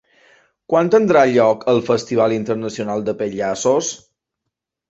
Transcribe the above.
Quan tindrà lloc el Festival Internacional de Pallassos?